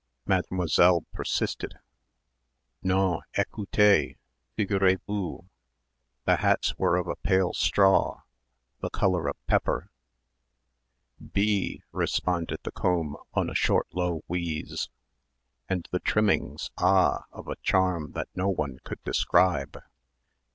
Mademoiselle persisted ... non, écoutez figurez vous the hats were of a pale straw ... the colour of pepper ... "Bee ..." responded the comb on a short low wheeze. "And the trimming oh, of a charm that no one could describe."